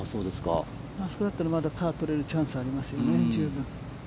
あそこだったら、まだパーを取れる可能性がありますよね、十分。